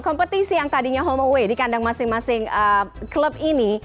kompetisi yang tadinya home away di kandang masing masing klub ini